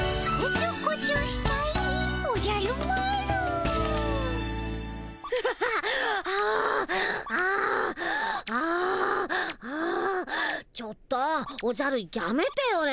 ちょっとおじゃるやめてよね。